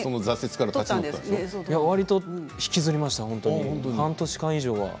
わりとそれは引きずりました半年間以上は。